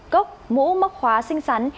cốc mũ mốc khóa xinh xắn